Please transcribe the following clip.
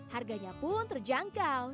harganya pun terjangkau